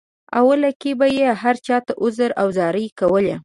اوله کې به یې هر چاته عذر او زارۍ کولې.